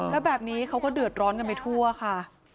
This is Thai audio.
แล้วแบบนี้เขาก็เดือดร้อนกันไปทั่วค่ะ